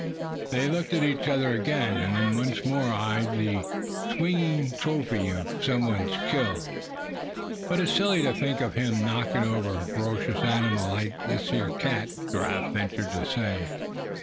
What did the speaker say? They looked at each other again, and then once more eyed the swinging trophy of some one's skill. "But it's silly to think of him knockin' over a ferocious animal like this here cat," Giraffe ventured to say.